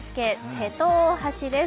瀬戸大橋です。